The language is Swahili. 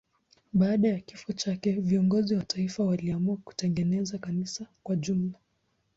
Baada ya kifo chake viongozi wa taifa waliamua kutengeneza kanisa kwa jumla.